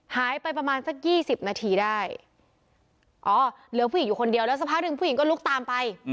หายไปประมาณสักยี่สิบนาทีได้อ๋อเหลือผู้หญิงอยู่คนเดียวแล้วสักพักหนึ่งผู้หญิงก็ลุกตามไป